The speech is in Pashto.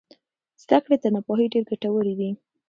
زده کړې تر ناپوهۍ ډېرې ګټورې دي.